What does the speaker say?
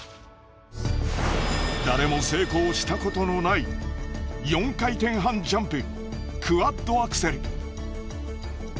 誰も成功したことのない４回転半ジャンプクワッドアクセル。